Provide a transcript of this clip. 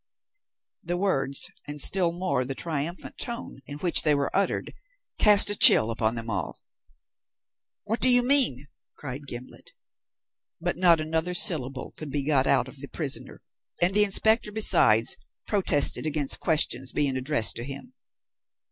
The words and still more the triumphant tone in which they were uttered cast a chill upon them all. "What do you mean?" cried Gimblet. But not another syllable could be got out of the prisoner; and the inspector, besides, protested against questions being addressed to him.